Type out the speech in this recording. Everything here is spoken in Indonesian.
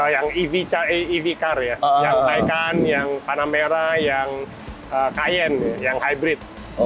yang ev car ya yang taycan yang panamera yang cayenne yang hybrid